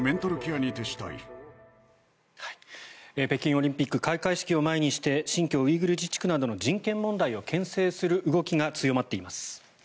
北京オリンピック開会式を前にして新疆ウイグル自治区などの人権問題をけん制する動きが強まっています。